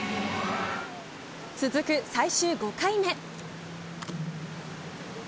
続く最終５回目。